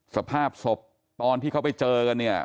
สภาพศพตอนที่เขาไปเจอกันเนี่ย